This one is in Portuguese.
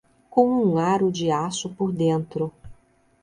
com um aro de aço por dentro